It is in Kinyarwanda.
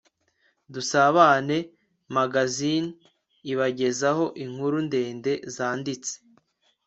Dusabane Magazine ibagezaho inkuru ndende zanditse